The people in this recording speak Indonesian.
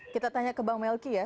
kita tanya ke bang melki ya